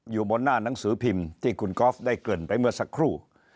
อยู่บนหน้าหนังสือพิมพ์ที่คุณกอล์ฟได้เกริ่นไปเมื่อสักครู่